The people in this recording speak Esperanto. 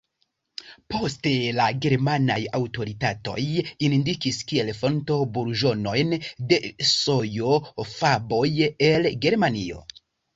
Poste la germanaj aŭtoritatoj indikis kiel fonto burĝonojn de sojo-faboj el Germanio.